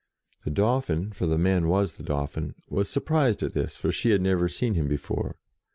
The Dauphin, for the man was the Dauphin, was surprised at this, for she had never seen him before.